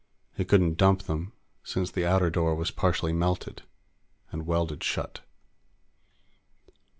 He couldn't dump them, since the outer door was partially melted and welded shut.